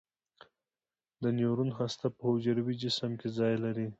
د نیورون هسته په حجروي جسم کې ځای لري.